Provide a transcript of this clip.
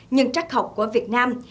nhưng trắc học của việt nam